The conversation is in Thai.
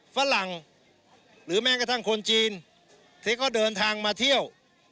ฝรั่งหรือแม้กระทั่งคนจีนที่เขาเดินทางมาเที่ยว